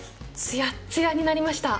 つやっつやになりました。